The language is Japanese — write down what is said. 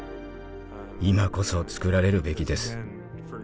今こそ作られるべきです。